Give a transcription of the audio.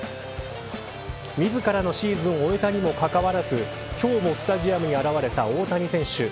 自らのシーズンを終えたにもかかわらず今日もスタジアムに現れた大谷選手。